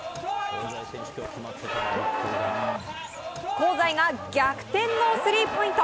香西が逆転のスリーポイント！